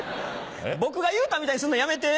僕が言うたみたいにするのやめて。